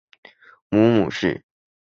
母母氏。